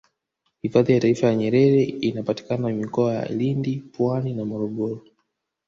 hifadhi ya taifa ya nyerere inapatikana mikoa ya lindi pwani na morogoro